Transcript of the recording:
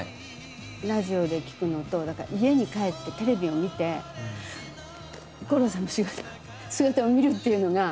ラジオで聴くのとだから家に帰ってテレビを見て五郎さんの姿を見るっていうのが。